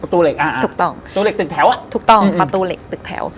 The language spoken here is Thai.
ประตูเหล็กตึกแถวถูกต้องประตูเหล็กตึกแถว